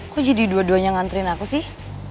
kok jadi dua duanya nganterin aku sih